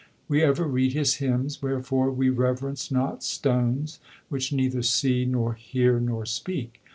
We ever read his hymns, wherefore we reverence not stones which neither see, nor hear, nor speak.